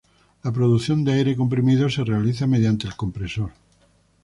La producción de aire comprimido se realiza mediante el compresor.